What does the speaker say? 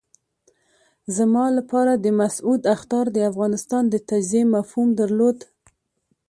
زما لپاره د مسعود اخطار د افغانستان د تجزیې مفهوم درلود.